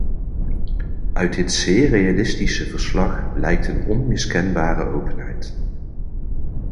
Uit dit zeer realistische verslag blijkt een onmiskenbare openheid.